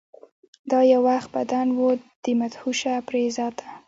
دا یو وخت بدن و د مهوشه پرې ذاته